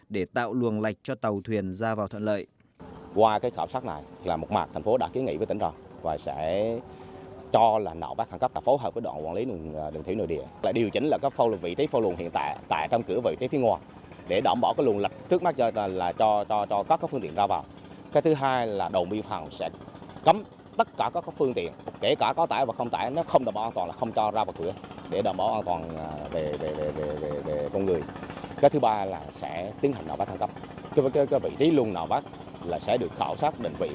để tạo luồng lạch cho tàu thuyền ra vào thuận lợi